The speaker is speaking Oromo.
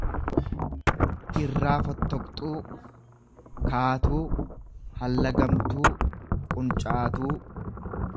irraa folloqxuu, kaatuu, hallagamtuu, quncaatuu.